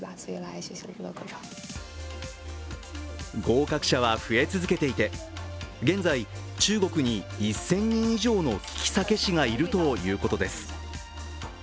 合格者は増え続けていて、現在、中国に１０００人以上のきき酒師がいるということです。